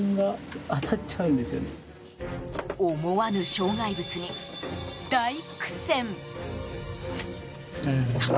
思わぬ障害物に大苦戦。